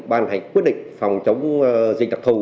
ban hành quyết định phòng chống dịch đặc thù